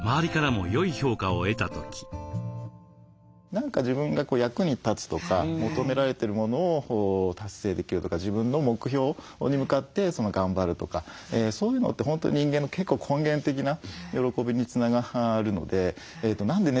何か自分が役に立つとか求められてるものを達成できるとか自分の目標に向かって頑張るとかそういうのって本当人間の結構根源的な喜びにつながるので何でね